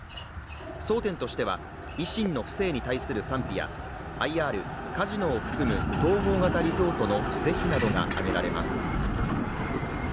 争点としては、維新の府政に対する賛否やＩＲ＝統合型リゾートの是非などが挙げられます。